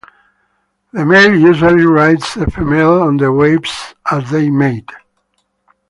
The male usually rides the female on the waves as they mate.